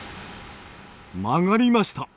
曲がりました。